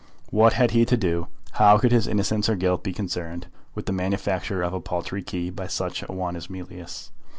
What had he to do, how could his innocence or his guilt be concerned, with the manufacture of a paltry key by such a one as Mealyus?